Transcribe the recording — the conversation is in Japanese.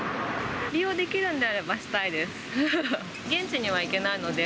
利用できるんであればしたいです。